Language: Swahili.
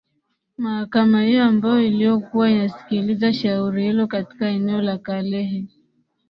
mahakama hiyo ambayo iliyokuwa inasikiliza shauri hilo katika eneo la kalehe